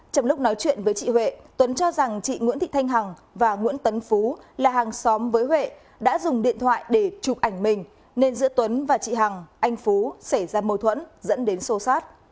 trong lúc nói chuyện với chị huệ tuấn cho rằng chị nguyễn thị thanh hằng và nguyễn tấn phú là hàng xóm với huệ đã dùng điện thoại để chụp ảnh mình nên giữa tuấn và chị hằng anh phú xảy ra mâu thuẫn dẫn đến sô sát